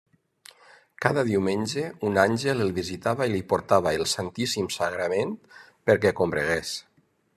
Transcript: Cada diumenge, un àngel el visitava i li portava el Santíssim Sagrament perquè combregués.